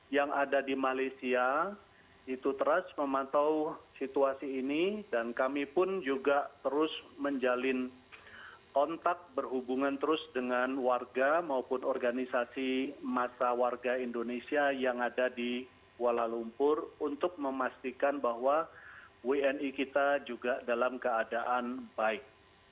yang ada di malaysia itu terus mematuhi situasi ini dan kami pun juga terus menjalin kontak berhubungan terus dengan warga maupun organisasi masa warga indonesia yang ada di kuala lumpur untuk memastikan bahwa wni kita juga dalam keadaan baik